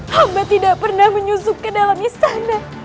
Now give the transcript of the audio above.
hamba tidak pernah menyusup ke dalam istana